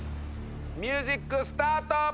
ミュージックスタート！